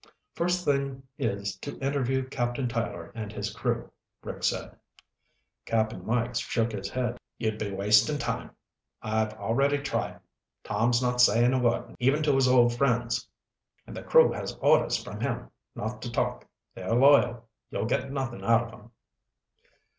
"First thing is to interview Captain Tyler and his crew," Rick said. Cap'n Mike shook his head. "You'd be wasting time. I've already tried. Tom's not saying a word, even to his old friends, and the crew has orders from him not to talk. They're loyal. You'll get nothing out of 'em."